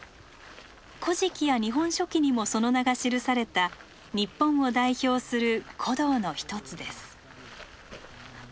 「古事記」や「日本書紀」にもその名が記された日本を代表する古道の一つです。